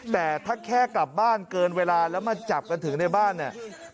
แต่ถ้าแค่กลับบ้านเกินเวลาแล้วมาจับกันถึงในบ้านเนี่ย